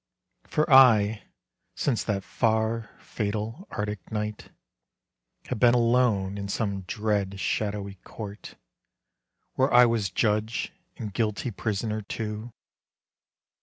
For I, since that far, fatal, arctic night, Have been alone in some dread, shadowy court, Where I was judge and guilty prisoner too.